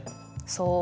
そう。